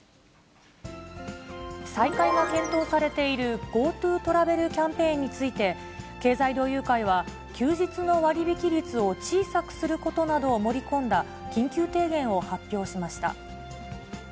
再開が検討されているＧｏＴｏトラベルキャンペーンについて、経済同友会は、休日の割引率を小さくすることなどを盛り込んだ、緊急提言を発表しました。